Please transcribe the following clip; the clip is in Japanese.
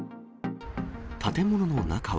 建物の中は。